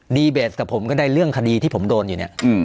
ดีเบสกับผมก็ได้เรื่องคดีที่ผมโดนอยู่เนี่ย